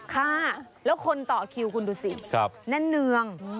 ค่ะแล้วคนต่อคิวคุณดูสิแน่นเนือง